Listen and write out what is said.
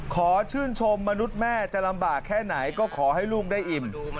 ขอชื่นชมมนุษย์แม่จะลำบากแค่ไหนก็ขอให้ลูกได้อิ่ม